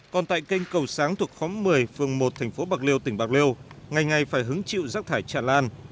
còn tại kênh cầu sáng thuộc khóm một mươi phường một thành phố bạc liêu tỉnh bạc liêu ngày ngày phải hứng chịu rác thải tràn lan